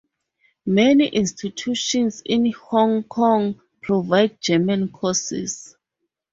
Many institutions in Hong Kong provide German courses.